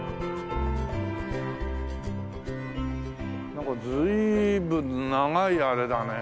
なんか随分長いあれだね。